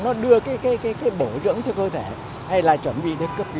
nó đưa cái bổ dưỡng cho cơ thể hay là chuẩn bị đến cấp